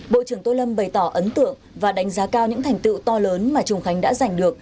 bộ trưởng tô lâm bày tỏ ấn tượng và đánh giá cao những thành tựu to lớn mà trùng khánh đã giành được